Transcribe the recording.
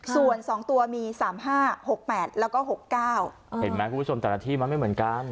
ส่วน๒ตัวมี๓๕๖๘แล้วก็๖๙เห็นไหมคุณผู้ชมแต่ละที่มันไม่เหมือนกัน